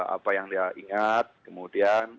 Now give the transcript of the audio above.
apa yang dia ingat kemudian